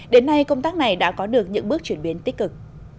đến nay công tác này đã có được những bước chuyển biến tích cực